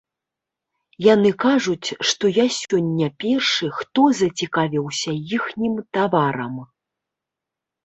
Яны кажуць, што я сёння першы, хто зацікавіўся іхнім таварам.